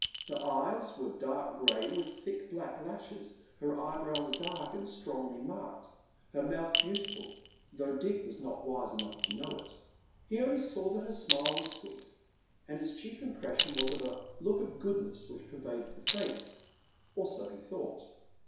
Her eyes were dark gray, with thick black lashes ; her eyebrows dark and strongly marked ; her mouth beautiful, though Dick was not wise enough to know it. He only saw that her smile was sweet, and his chip+' impression was of a look of goodness which pervaded the face — or so he thought.